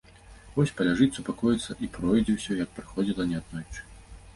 Вось паляжыць, супакоіцца, і пройдзе ўсё, як праходзіла неаднойчы.